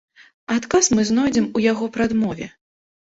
Адказ мы знойдзем у яго прадмове.